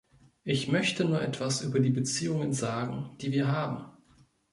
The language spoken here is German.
Ich möchte nur etwas über die Beziehungen sagen, die wir haben.